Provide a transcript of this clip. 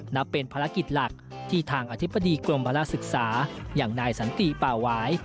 นับเป็นภารกิจหลักที่ทางอธิบดีกรมภาระศึกษาอย่างนายสันติป่าหวาย